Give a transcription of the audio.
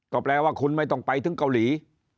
ก็แปลว่าคุณไม่ต้องไปถึงเกาหลี